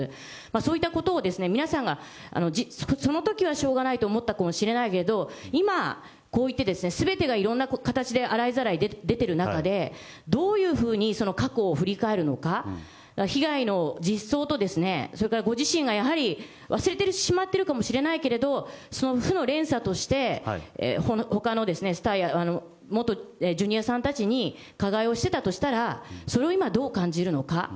そういったことを、皆さんが、そのときはしょうがないと思ったかもしれないけど、今、こういってすべてがいろんな形で、洗いざらい出ている中で、どういうふうに過去を振り返るのか、被害の実相と、それからご自身がやはり忘れてしまっているかもしれないけれど、その負の連鎖として、ほかのスターや、元ジュニアさんたちに加害をしていたとしたら、それを今、どう感じるのか。